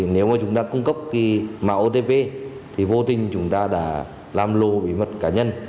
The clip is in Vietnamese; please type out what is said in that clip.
nếu chúng ta cung cấp mạng otp thì vô tình chúng ta đã làm lô bí mật cá nhân